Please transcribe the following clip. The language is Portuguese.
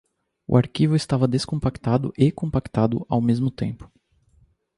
O arquivo estava descompactado e compactado ao mesmo tempo